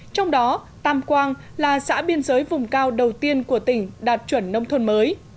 trong đó tam quang là xã biên giới vùng cao đầu tiên của tỉnh đạt chuẩn nông thôn mới